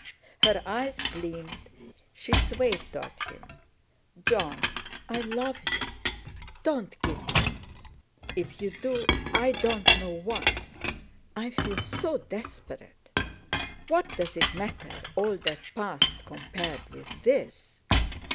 Her eyes gleamed, she swayed toward him. "Jon—I love you! Don't give me up! If you do, I don't know what—I feel so desperate. What does it matter—all that past compared with this?"